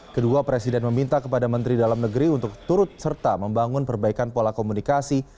kedua presiden meminta kepada menteri dalam negeri untuk turut serta membangun perbaikan pola komunikasi